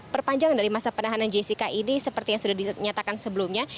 perpanjangan dari masa penahanan jessica ini seperti yang sudah dinyatakan sebelumnya